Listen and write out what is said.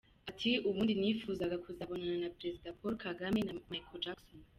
Ati “Ubundi nifuzaga kuzabonana Perezida Paul Kagame na Michael Jackson.